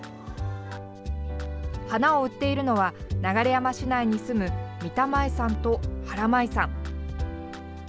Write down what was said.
花を売っているのは流山市内に住む三田真維さんと原麻衣さん。